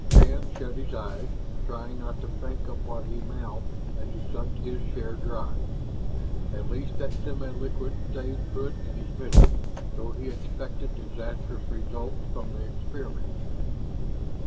Shann shut his eyes, trying not to think of what he mouthed as he sucked his share dry. At least that semi liquid stayed put in his middle, though he expected disastrous results from the experiment.